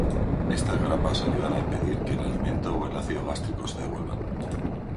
Estas grapas ayudan a impedir que el alimento o el ácido gástrico se devuelvan.